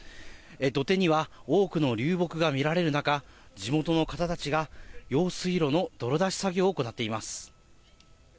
土手には多くの流木が見られる中、地元の方たちが用水路の泥出し作業を行っています。